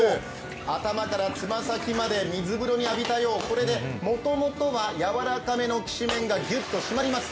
頭からつま先まで水風呂浴びたよう、これで、もともとはやわらかめのきしめんがギュッとしまります。